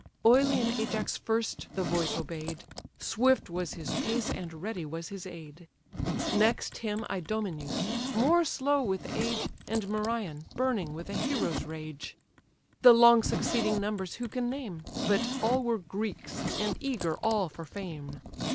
Oilean Ajax first the voice obey'd, Swift was his pace, and ready was his aid: Next him Idomeneus, more slow with age, And Merion, burning with a hero's rage. The long succeeding numbers who can name? But all were Greeks, and eager all for fame.